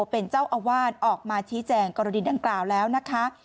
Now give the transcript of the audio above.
เป็นเจ้าอาวาสออกมาชี้แจงกรณีดังกล่าวแล้วนะคะ